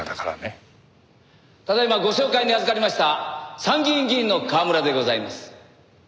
ただ今ご紹介にあずかりました参議院議員の川村でございます。